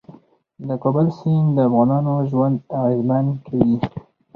د کابل سیند د افغانانو ژوند اغېزمن کوي.